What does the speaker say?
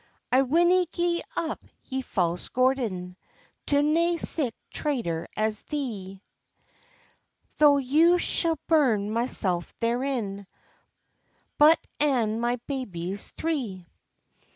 "I winna gi'e up, ye false Gordon, To nae sic traitor as thee; Tho' you shou'd burn mysel' therein, Bot and my babies three.